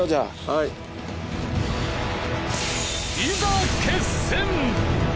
いざ決戦！